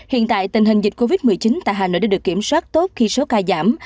hiện tại tình hình dịch covid một mươi chín tại hà nội đã được kiểm soát tốt khi số ca giảm